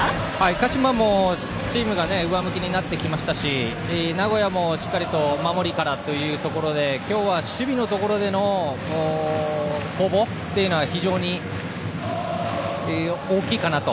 鹿島もチームが上向きになってきましたし名古屋もしっかりと守りからというところで、今日は守備のところでの攻防というのは非常に大きいかなと。